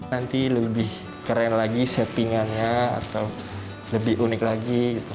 nanti lebih keren lagi settingannya atau lebih unik lagi